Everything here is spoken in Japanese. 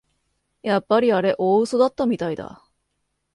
やっぱりあれ大うそだったみたいだ